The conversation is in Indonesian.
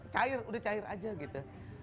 cair udah cair aja gitu